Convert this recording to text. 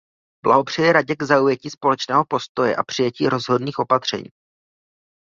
Blahopřeji Radě k zaujetí společného postoje a přijetí rozhodných opatření.